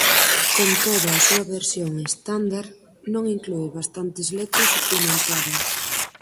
Con todo a súa versión "estándar" non inclúe bastantes letras suplementarias.